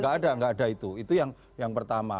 tidak ada tidak ada itu itu yang pertama